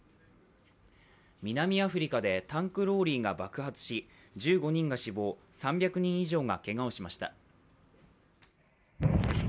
南アフリカでタンクローリーが爆発し、１５人が死亡、３００人以上がけがをしました。